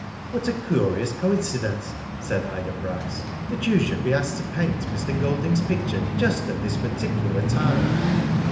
"What a curious coincident," said Ida Bryce, "that you should be asked to paint Mr. Golding's* picture just at this particular time."